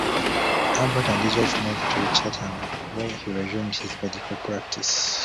Abbott and his wife moved to Chatham where he resumed his medical practice.